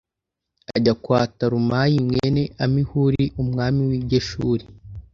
ajya kwa Talumayi mwene Amihuri umwami w’i Geshuri.